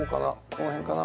この辺かな？